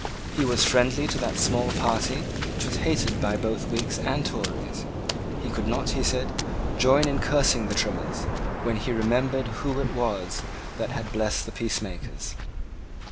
He was friendly to that small party which was hated by both Whigs and Tories. He could not, he said, join in cursing the Trimmers, when he remembered who it was that had blessed the peacemakers.